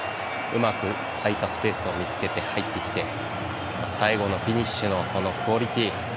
うまく空いたスペースを見つけて入ってきて最後のフィニッシュのクオリティー。